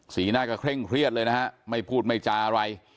หน้าก็เคร่งเครียดเลยนะฮะไม่พูดไม่จาอะไร